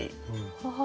はあ。